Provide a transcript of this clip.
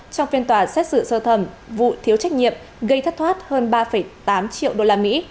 trong phiên tòa xét xử sơ thẩm vụ thiếu trách nhiệm gây thất thoát hơn ba tám triệu đô la mỹ